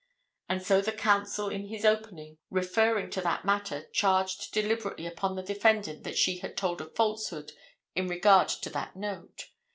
And so the counsel, in his opening, referring to that matter, charged deliberately upon the defendant that she had told a falsehood in regard to that note.